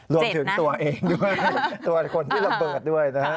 รวมถึงตัวเองด้วยตัวคนที่ระเบิดด้วยนะฮะ